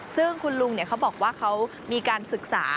ซึ่งคุณลุงเขาบอกว่าเขามีการศึกษา